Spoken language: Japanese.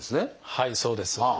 はいそうです。